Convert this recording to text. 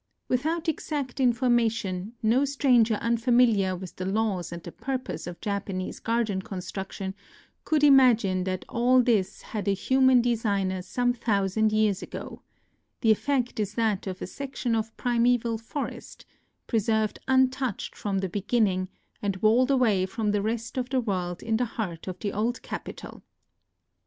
Without exact information, no stranger unfamiliar with the laws and the purpose of Japanese garden con struction could imagine that all this had a NOTES OF A TRIP TO KYOTO 51 human designer some thousand years ago: the effect is that of a section of primeval for est, preserved untouched from the beginning, and walled away from the rest of the world in the heart of the old capital.